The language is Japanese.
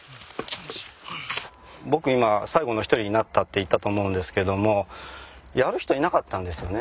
僕今最後の一人になったって言ったと思うんですけどもやる人いなかったんですよね。